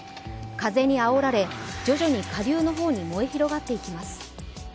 風にあおられ、徐々に下流の方に燃え広がっていきます。